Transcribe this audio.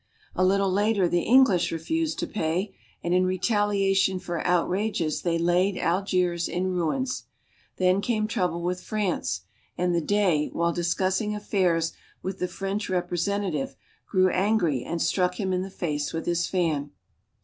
A little later the English refused to pay, and in retalia tion for outrages they laid Algiers in ruins. Then came trouble with France, and the Dey, while discussing affairs with the French representative, grew angry and struck him in the face with his fan.